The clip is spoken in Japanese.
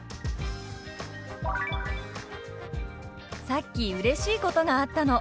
「さっきうれしいことがあったの」。